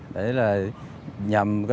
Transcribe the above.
để là nhằm coi như là giảm